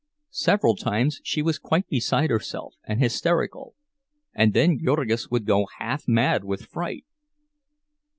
Several times she was quite beside herself and hysterical; and then Jurgis would go half mad with fright.